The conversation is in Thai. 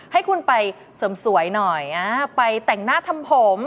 ให้คุณไปเสริมสวยหน่อยไปแต่งหน้าทำผม